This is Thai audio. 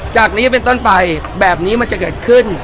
จากนี้เป็นต้นไปแบบนี้มันจะเกิดขึ้น